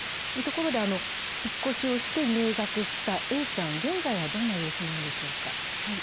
ところで、引っ越しをして入学したＡちゃん、現在はどんな様子なんでしょうか。